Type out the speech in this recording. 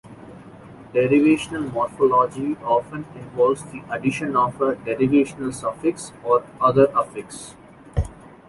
Derivational morphology often involves the addition of a derivational suffix or other affix.